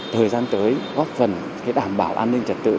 thời gian tới góp phần đảm bảo an ninh trật tự